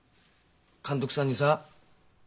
監督さんにさぁ。